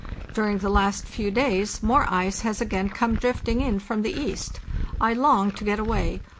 During the last few days more ice has again come drifting in from the east. I long to get away.